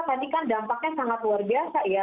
tadi kan dampaknya sangat luar biasa ya